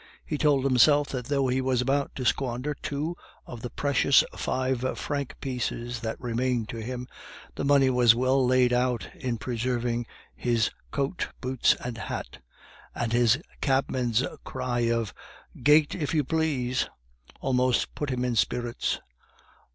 He told himself that though he was about to squander two of the precious five franc pieces that remained to him, the money was well laid out in preserving his coat, boots, and hat; and his cabman's cry of "Gate, if you please," almost put him in spirits.